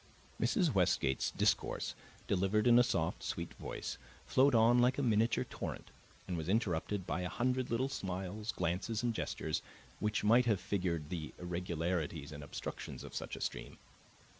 Mrs. Westgate's discourse, delivered in a soft, sweet voice, flowed on like a miniature torrent, and was interrupted by a hundred little smiles, glances, and gestures, which might have figured the irregularities and obstructions of such a stream.